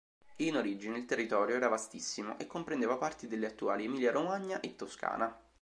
In origine il territorio era vastissimo e comprendeva parti delle attuali Emilia-Romagna e Toscana.